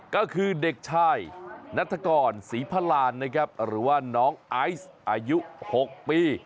ก็คือเด็กชายนัฐกรศรีพลานนะครับหรือว่าน้องไอซ์อายุ๖ปี